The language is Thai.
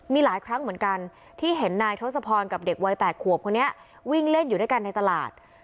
มีหลายครั้งเหมือนกันที่เห็นนายทศพรกับเด็กวัย๘ขวบคนนี้วิ่งเล่นอยู่ด้วยกันในตลาด